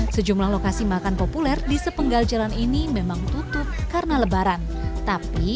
sejumlah lokasi makan populer di sepenggal jalan ini memang tutup karena lebaran tapi